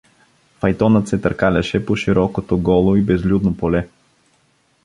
Файтонът се търкаляше по широкото голо и безлюдно поле.